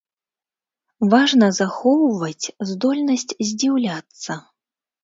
Важна захоўваць здольнасць здзіўляцца.